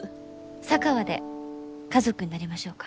佐川で家族になりましょうか。